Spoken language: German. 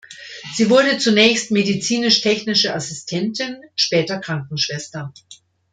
Sie wurde zunächst Medizinisch-Technische Assistentin, später Krankenschwester.